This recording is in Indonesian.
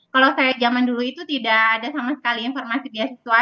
kalau saya zaman dulu itu tidak ada sama sekali informasi beasiswa